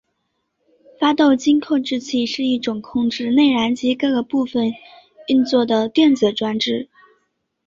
发动机控制器是一种控制内燃机各个部分运作的电子装置。